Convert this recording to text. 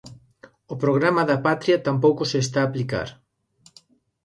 O programa da patria tampouco se está a aplicar.